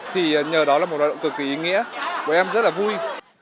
thì nhờ đó là một hoạt động cực kỳ ý nghĩa bọn em rất là vui